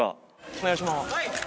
お願いします。